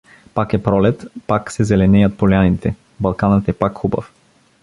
Пак е пролет, пак се зеленеят поляните, Балканът е пак хубав.